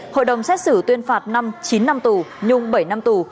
hội đồng xét xử tuyên phạt năm chín năm tù nhung bảy năm tù